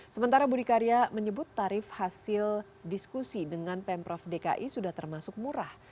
sementara budi karya menyebut tarif hasil diskusi dengan pemprov dki sudah termasuk murah